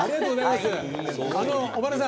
小原さん